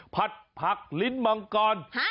ผัดผักลิ้นมังกร